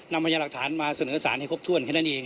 พยายามหลักฐานมาเสนอสารให้ครบถ้วนแค่นั้นเอง